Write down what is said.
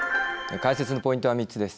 解説のポイントは３つです。